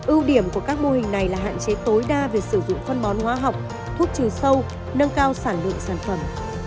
ưu điểm của các mô hình này là hạn chế tối đa việc sử dụng phân bón hóa học thuốc trừ sâu nâng cao sản lượng sản phẩm